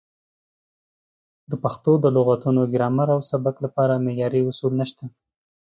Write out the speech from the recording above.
د پښتو د لغتونو، ګرامر او سبک لپاره معیاري اصول نشته.